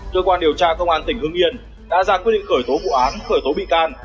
cơ quan điều tra công an tỉnh hưng yên đã ra quyết định khởi tố vụ án khởi tố bị can